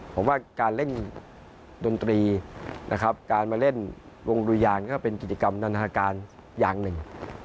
ผมว่าการเล่นดนตรีนะครับการมาเล่นวงดุยางก็เป็นกิจกรรมนานาการอย่างหนึ่ง